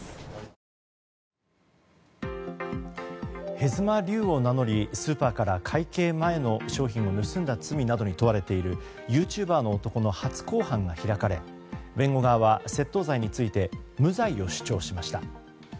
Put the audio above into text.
へずまりゅうを名乗りスーパーから会計前の商品を盗んだ罪などに問われているユーチューバーの男の初公判が開かれ弁護側は窃盗罪について無罪を主張しました。